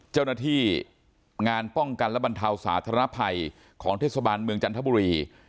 เจ้าหน้าที่งานป้องกันและบรรเทาสาธารณภัยของเทศบาลเมืองจันทบุรี